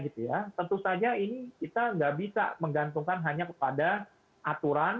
tentu saja ini kita nggak bisa menggantungkan hanya kepada aturan